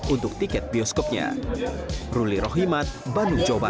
untuk tiket bioskopnya